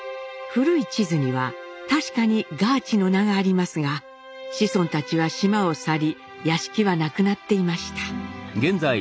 古い地図には確かにガーチの名がありますが子孫たちは島を去り屋敷は無くなっていました。